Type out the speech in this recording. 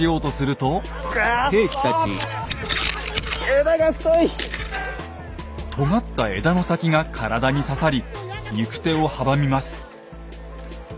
とがった枝の先が体に刺さり行く手を阻みます。